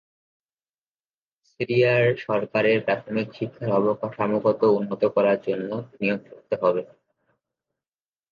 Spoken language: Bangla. সিরিয়ার সরকারের প্রাথমিক শিক্ষার অবকাঠামোগত উন্নত করার জন্য বিনিয়োগ করতে হবে।